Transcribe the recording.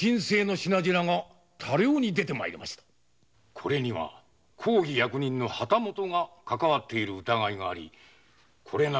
これには公儀役人の旗本が関係してる疑いがありこれなる